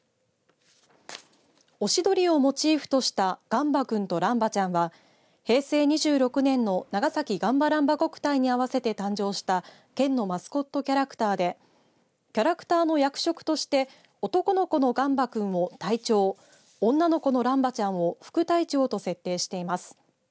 オシドリをモチーフとしたがんばくんとらんばちゃんは平成２６年の長崎がんばらんば国体に合わせて誕生した県のマスコットキャラクターでキャラクターの役職として男の子のがんばくんを隊長女の子のらんばちゃんを副隊長と設定しています。